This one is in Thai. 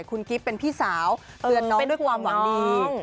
คุณกิฟต์เป็นพี่สาวเตือนน้องไปด้วยความหวังดี